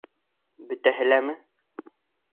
— Бөтәһе ләме?